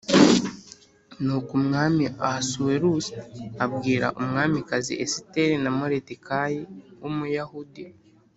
Nuko umwami ahasuwerusi abwira umwamikazi esiteri na moridekayi w umuyahudi